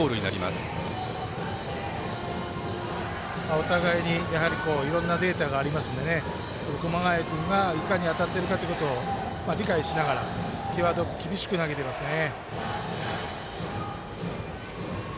お互いにいろんなデータがありますので熊谷君がいかに当たっているということを理解しながら際どく厳しく投げてますね。